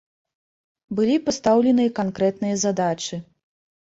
Былі пастаўленыя канкрэтныя задачы.